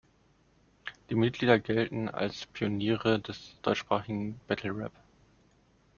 Die Mitglieder gelten als Pioniere des deutschsprachigen Battlerap.